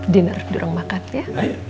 dinner durang makan ya